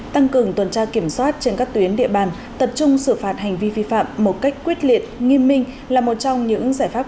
tăng cường tuần tra kiểm soát trên các tuyến địa bàn tập trung xử phạt hành vi vi phạm một cách quyết liệt nghiêm minh là một trong những giải pháp